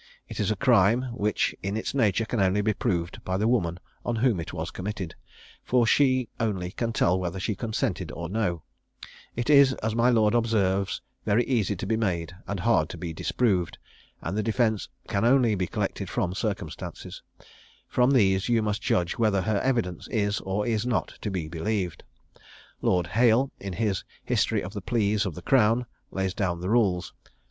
It is a crime which in its nature can only be proved by the woman on whom it is committed; for she only can tell whether she consented or no: it is, as my lord observes, very easy to be made, and hard to be disproved; and the defence can only be collected from circumstances; from these you must judge whether her evidence is or is not to be believed. Lord Hale, in his 'History of the Pleas of the Crown,' lays down the rules: 1.